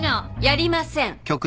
やりません。